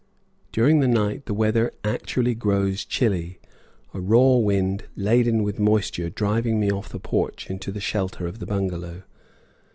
During the night the weather actually grows chilly, a raw wind laden with moisture driving me off the porch into the shelter of the bungalow.